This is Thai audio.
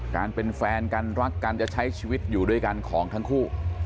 การเป็นแฟนกันรักกันจะใช้ชีวิตอยู่ด้วยกันของทั้งคู่